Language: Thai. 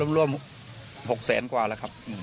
อืมก็รวม๖แสนกว่าแล้วครับ